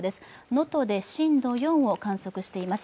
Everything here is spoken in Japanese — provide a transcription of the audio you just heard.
能登で震度４を観測しています。